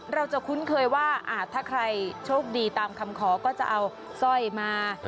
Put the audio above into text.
เราจะคุ้นเคยว่าถ้าใครโชคดีตามคำขอก็จะเอาสร้อยมา